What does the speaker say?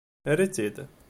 Err-itt-id!